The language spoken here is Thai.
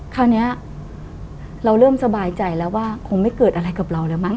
คราวนี้เราเริ่มสบายใจแล้วว่าคงไม่เกิดอะไรกับเราแล้วมั้